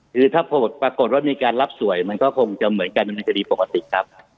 คือถ้าปรากฏว่ามีการรับสวยมันก็คงจะเหมือนการดำเนินคดีปกติครับ